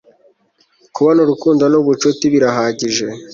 Kubona urukundo nubucuti birahagije